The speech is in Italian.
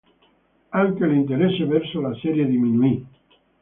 Anche l'interesse verso la serie diminuì.